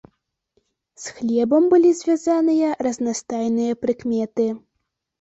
З хлебам былі звязаныя разнастайныя прыкметы.